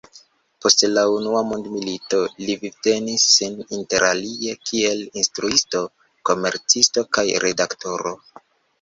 Post la Unua Mondmilito li vivtenis sin interalie kiel instruisto, komercisto kaj redaktoro.